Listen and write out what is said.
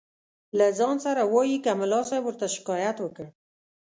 له ځانه سره وایي که ملا صاحب ورته شکایت وکړ.